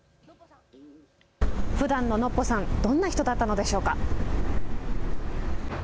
ふだんのノッポさん、どんな人だったのでしょうか。